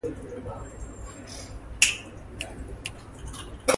She examines topics regarding precision medicine in global health.